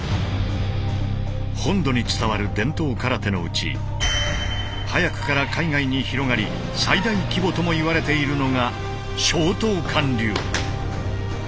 本土に伝わる伝統空手のうち早くから海外に広がり最大規模ともいわれているのが松濤館流。